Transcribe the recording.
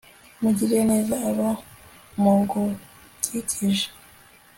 mugirire neza abo mugukikije